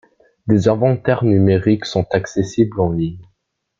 Des inventaires numériques sont accessibles en ligne.